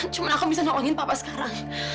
cuman aku bisa tolongin bapak sekarang